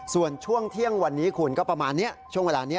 ส่วนช่วงเที่ยงวันนี้คุณก็ประมาณนี้ช่วงเวลานี้